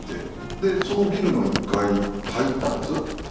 でそのビルの１階入ったんです。